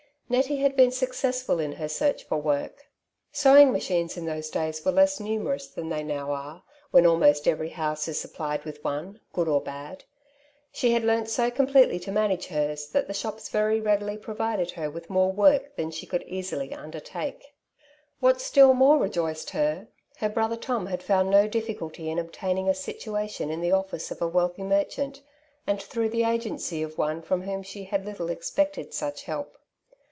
Nettie had been successful in her search for work. Sewing machines in those days were less numerous than they now are, when almost every house is sup TIu little House in the back Street 9 plied with one^ good or bad. She had learnt bo completely to manage hers that the shops Teiy readily provided her with more work than she ooold easily undertake. What still more rejoiced her^ her brother Tom had fonnd no difficalty in obtaining a situation in the office of a wealthy merchant, and throngh the agency of one fi om whom she had little expected such help.